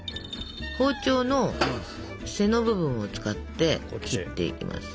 包丁の背の部分を使って切っていきます。